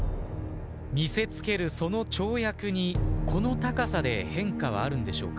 見せつけるその跳躍にこの高さで変化はあるんでしょうか。